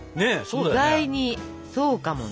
意外にそうかもね。